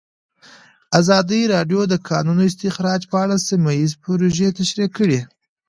ازادي راډیو د د کانونو استخراج په اړه سیمه ییزې پروژې تشریح کړې.